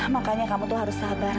makanya kamu tuh harus sabar